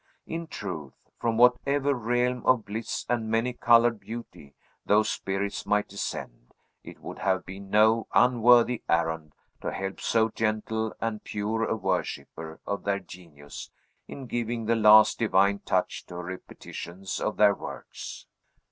In truth, from whatever realm of bliss and many colored beauty those spirits might descend, it would have been no unworthy errand to help so gentle and pure a worshipper of their genius in giving the last divine touch to her repetitions of their works.